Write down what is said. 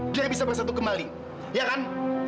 dia bisa bersatu kembali ya kan